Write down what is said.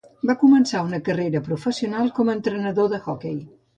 Va començar una carrera professional com a entrenador d'hoquei.